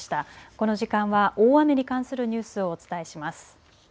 この時間は大雨に関するニュースをお伝えします。